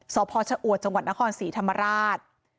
สพฉจนครศรีธรรมราช